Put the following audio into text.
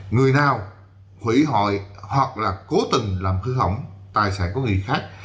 người nào hủy hội hoặc là cố tình làm khứ hỏng tài sản của người khác